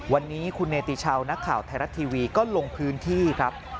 วันนี้คุณเนติชาวนักข่าวไทยรัฐทีวีก็ลงพื้นที่ครับ